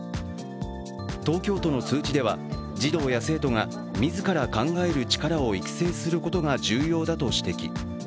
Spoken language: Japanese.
東京都の通知では、児童や生徒が自ら考える力を育成することが重要だと指摘。